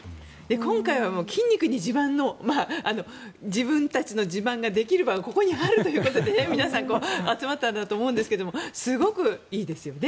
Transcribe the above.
今回はもう筋肉自慢の自分たちの自慢ができる場がここにあるということで皆さん集まったんだと思いますがすごくいいですよね。